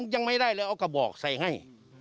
ยังไม่ได้เลยเอากระบอกใส่ให้